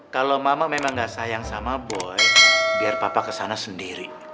kalau mama memang gak sayang sama boy biar papa kesana sendiri